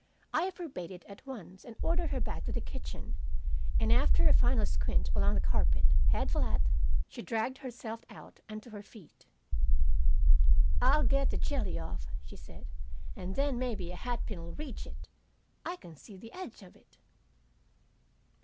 I forbade it at once, and ordered her back to the kitchen, and after a final squint along the carpet, head flat, she dragged herself out and to her feet. "I'll get the jelly off," she said, "and then maybe a hat pin'll reach it. I can see the edge of it."